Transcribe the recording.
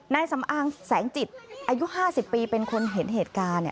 นายสำอางแสงจิตอายุ๕๐ปีเป็นคนเห็นเหตุการณ์